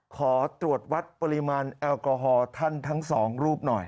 ขอตรวจวัดปริมาณแอลกอฮอล์ท่านทั้งสองรูปหน่อย